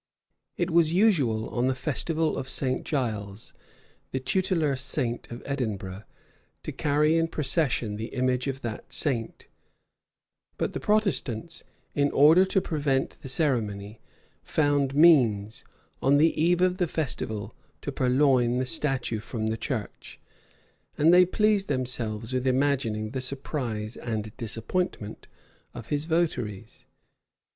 It was usual on the festival of St. Giles, the tutelar saint of Edinburgh, to carry in procession the image of that saint; but the Protestants, in order to prevent the ceremony, found means, on the eve of the festival, to purloin the statue from the church; and they pleased themselves with imagining the surprise and disappointment of his votaries.